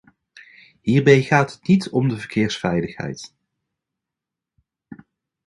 Hierbij gaat het niet om de verkeersveiligheid.